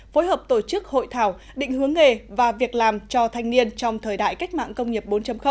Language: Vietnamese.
phối hợp tổ chức hội thảo định hướng nghề và việc làm cho thanh niên trong thời đại cách mạng công nghiệp bốn